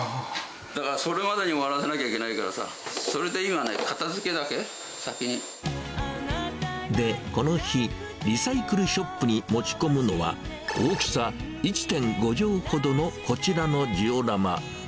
だから、それまでに終わらせなきゃいけないからさ、それで今ね、で、この日、リサイクルショップに持ち込むのは、大きさ１．５畳ほどのこちらのジオラマ。